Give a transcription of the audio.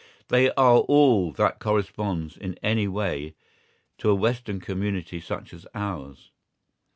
They are all that corresponds in any way to a Western community such as ours.